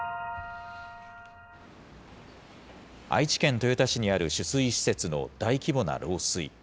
愛知県豊田市にある取水施設の大規模な漏水。